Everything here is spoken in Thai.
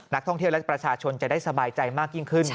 นักท่องเที่ยวและประชาชนจะได้สบายใจมากยิ่งขึ้น